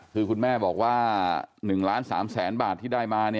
คือคุณแม่บอกว่า๑ล้าน๓แสนบาทที่ได้มา